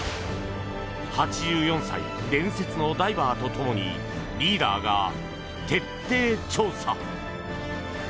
８４歳伝説のダイバーとともにリーダーが徹底調査。